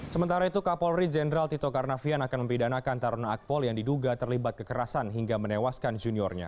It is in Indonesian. sementara itu kapolri jenderal tito karnavian akan mempidanakan taruna akpol yang diduga terlibat kekerasan hingga menewaskan juniornya